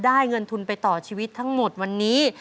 เงินทุนไปต่อชีวิตทั้งหมดวันนี้